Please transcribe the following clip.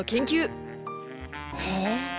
へえ。